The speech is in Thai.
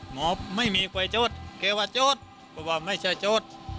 หมอไม่มีไฟช็อตเกียราช็อตปะว่าไม่ใช่ช็อต